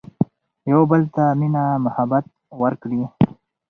يو بل ته مينه محبت ور کړي